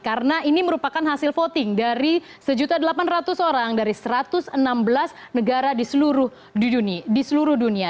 karena ini merupakan hasil voting dari satu delapan ratus orang dari satu ratus enam belas negara di seluruh dunia